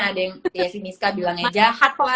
ada yang ya si misca bilangnya jahat